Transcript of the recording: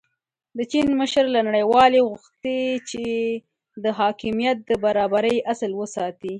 د چین مشر له نړیوالې غوښتي چې د حاکمیت د برابرۍ اصل وساتي.